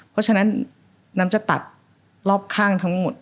เพราะฉะนั้นน้ำจะตัดรอบข้างทั้งหมด